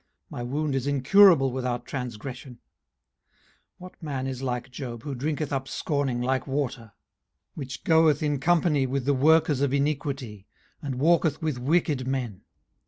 my wound is incurable without transgression. 18:034:007 What man is like Job, who drinketh up scorning like water? 18:034:008 Which goeth in company with the workers of iniquity, and walketh with wicked men.